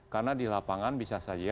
karena di lapangan bisa dikira kira